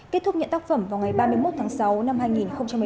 kết thúc nhận tác phẩm vào ngày ba mươi một tháng sáu năm hai nghìn một mươi chín